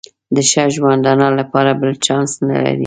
د ښه ژوندانه لپاره بل چانس نه لري.